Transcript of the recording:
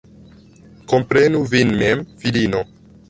Komprenu vin mem, filino.